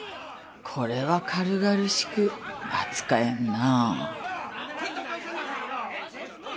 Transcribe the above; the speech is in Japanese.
これは軽々しく扱えんなぁ。